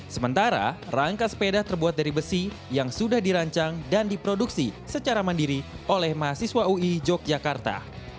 sementara rangka sepeda terbuat dari besi yang sudah dirancang dan diproduksi secara mandiri oleh mahasiswa ui yogyakarta